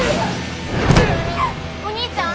お義兄ちゃん！